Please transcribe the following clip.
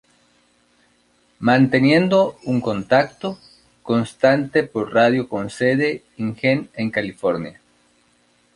Manteniendo un contacto constante por radio con sede InGen en California.